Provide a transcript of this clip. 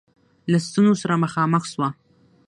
له ستونزو سره مخامخ سوه.